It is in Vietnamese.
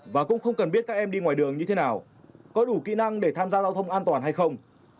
và cũng không cần biết các em đi ngoài đường như thế nào có đủ kỹ năng để tham gia giao thông an toàn hay không